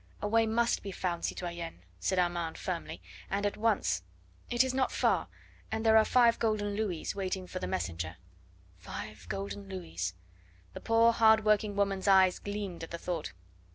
"A way must be found, citoyenne," said Armand firmly, "and at once; it is not far, and there are five golden louis waiting for the messenger!" Five golden louis! The poor, hardworking woman's eyes gleamed at the thought.